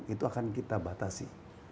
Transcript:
itu akan kita batasi